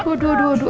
aduh aduh aduh aduh